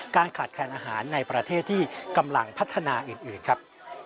การขาดแคลนอาหารในประเทศที่กำลังพัฒนาอื่นครับ